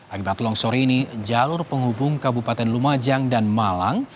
akibat longsor ini jalur penghubung kabupaten lumajang dan malang